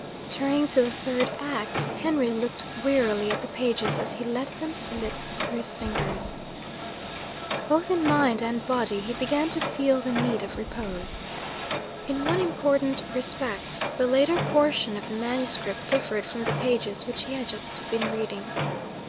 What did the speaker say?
Turning to the Third Act, Henry looked wearily at the pages as he let them slip through his fingers. Both in mind and body, he began to feel the need of repose. In one important respect, the later portion of the manuscript differed from the pages which he had just been reading.